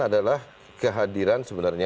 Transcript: adalah kehadiran sebenarnya